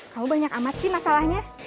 kalau banyak amat sih masalahnya